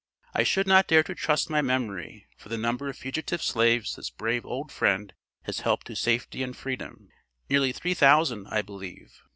"I should not dare to trust my memory for the number of fugitive slaves this brave old friend has helped to safety and freedom nearly three thousand, I believe.